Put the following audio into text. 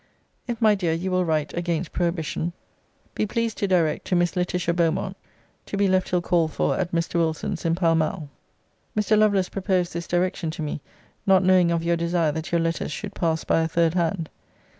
If, my dear, you will write, against prohibition, be pleased to direct, To Miss Laetitia Beaumont; to be left till called for, at Mr. Wilson's, in Pall Mall. Mr. Lovelace proposed this direction to me, not knowing of your desire that your letters should pass by a third hand.